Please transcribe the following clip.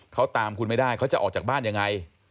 เขาตามคุณไม่ได้เขาจะออกจากบ้านยังไง